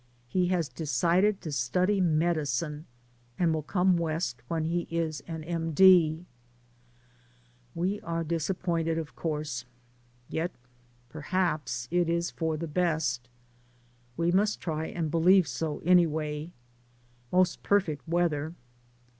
He has decided to study medicine and will come west when he is an M.D. We are disap poiftted, of course, yet perhaps it is for the best — we must try and believe so anyway. Most perfect weather.